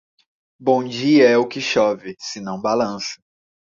Bom dia é o que chove, se não balança.